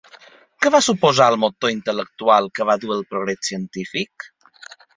Què va suposar el motor intel·lectual que va dur el progrés científic?